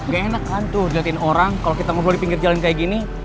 gak enak kan tuh lihatin orang kalau kita ngobrol di pinggir jalan kayak gini